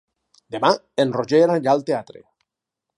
Demà en Roger anirà al teatre.